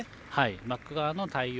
バック側の対応。